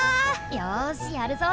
よしやるぞ！